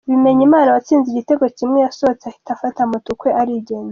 Bimenyimana watsinze igitego kimwe yasohotse ahita afata moto ukwe arigendera